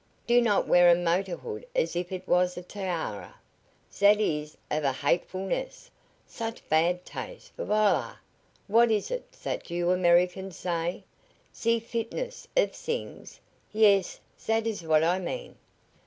Do not wear a motor hood as if it was a tiara! Zat is of a hatefulness! Such bad taste! Voila what is it zat you Americans say? ze fitness of zings. Yes, zat is what I mean."